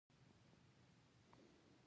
انرژي په خدمت کې بدلېږي.